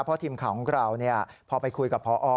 เพราะทีมข่าวของเราพอไปคุยกับพอ